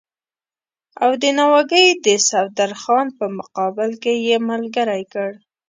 او د ناوګۍ د صفدرخان په مقابل کې یې ملګری کړ.